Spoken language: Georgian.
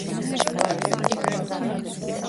ჯანაი ჯანაია